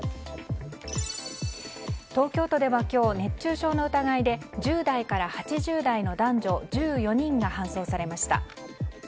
東京都では今日、熱中症の疑いで１０代から８０代の男女１４人が搬送されました。